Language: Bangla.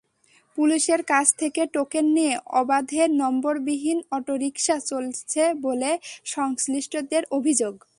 পুলিশের কাছ থেকে টোকেন নিয়ে অবাধে নম্বরবিহীন অটোরিকশা চলছে বলে সংশ্লিষ্টদের অভিযোগ।